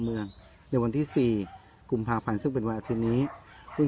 เมืองในวันที่สี่กุมภาพันธ์ซึ่งเป็นวันอาทิตย์นี้เพิ่ง